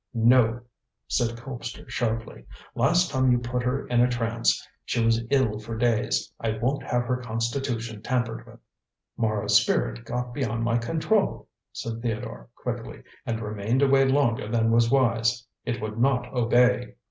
"No," said Colpster sharply. "Last time you put her in a trance she was ill for days. I won't have her constitution tampered with." "Mara's spirit got beyond my control," said Theodore quickly, "and remained away longer than was wise. It would not obey!"